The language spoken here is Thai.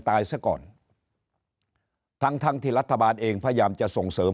ตายซะก่อนทั้งทั้งที่รัฐบาลเองพยายามจะส่งเสริม